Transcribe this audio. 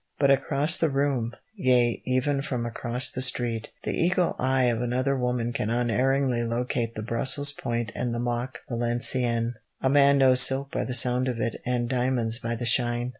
But across the room, yea, even from across the street, the eagle eye of another woman can unerringly locate the Brussels point and the mock Valenciennes. A man knows silk by the sound of it and diamonds by the shine.